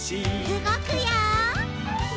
うごくよ！